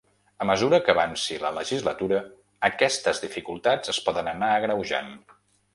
A mesura que avanci la legislatura, aquestes dificultats es poden anar agreujant.